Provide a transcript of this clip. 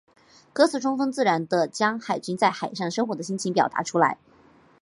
歌词充分自然地将海军在海上生活的心情表达出来。